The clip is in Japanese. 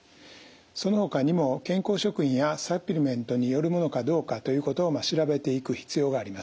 そのほかにも健康食品やサプリメントによるものかどうかということを調べていく必要があります。